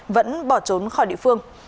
vẫn bỏ trốn khỏi địa phương